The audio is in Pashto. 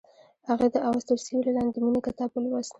هغې د اواز تر سیوري لاندې د مینې کتاب ولوست.